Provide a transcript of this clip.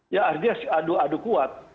ya aduh aduh kuat